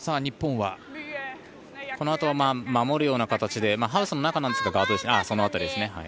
このあとは守るような形でハウスの中なんですがこの辺りですね。